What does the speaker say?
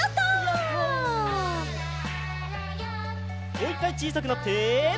もういっかいちいさくなって。